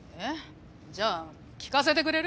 じゃあ聴かせてくれる？